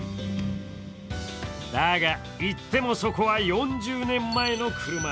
だが、言っても、そこは４０年前の車。